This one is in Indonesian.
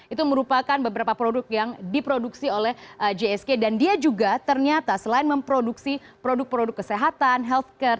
itu merupakan beberapa produk yang diproduksi oleh jsg dan dia juga ternyata selain memproduksi produk produk kesehatan healthcare